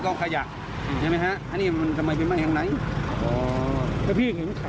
อ้อนี่มีเห็นขาดึงขาคนหรือขาครึ่งจะเช็ดสุดขาคนไม่แน่ใจนะฮะ